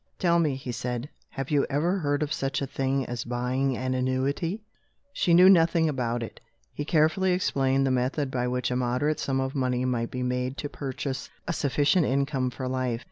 "Tell me," he said, "have you ever heard of such a thing as buying an annuity?" She knew nothing about it. He carefully explained the method by which a moderate sum of money might be made to purchase a sufficient income for life.